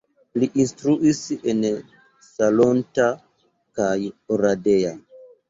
Li instruis en Salonta kaj Oradea.